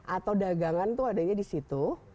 atau dagangan itu adanya di situ